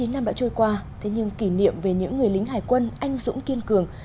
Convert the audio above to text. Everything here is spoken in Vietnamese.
chín mươi năm đã trôi qua thế nhưng kỷ niệm về những người lính hải quân anh dũng kiên cường